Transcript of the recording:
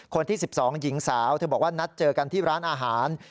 คนที่๑๒หญิงสาวเธอบอกว่านัดเจอกันที่ร้านอาหาร